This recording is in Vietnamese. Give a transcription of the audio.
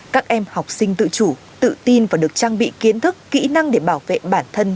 các em học sinh tự chủ tự tin và được trang bị kiến thức kỹ năng để bảo vệ bản thân